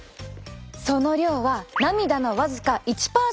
その量は涙の僅か１％未満。